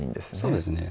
そうですね